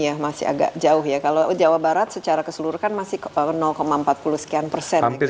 iya masih agak jauh ya kalau jawa barat secara keseluruhan masih empat puluh sekian persen